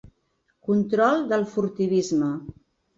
Control del furtivisme.